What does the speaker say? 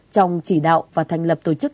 trong chỉ đạo và thành lập tổ chức